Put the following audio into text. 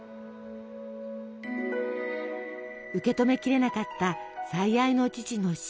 受け止めきれなかった最愛の父の死。